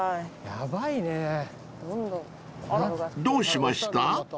［どうしました？］